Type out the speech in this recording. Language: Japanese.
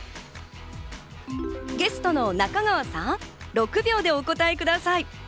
ゲストの中川さん、６秒でお答えください。